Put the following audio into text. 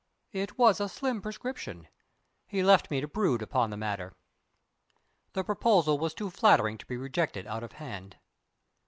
It was a slim prescription. He left me to brood upon the matter. The proposal was too flattering to be rejected out of hand.